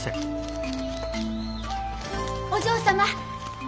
お嬢様。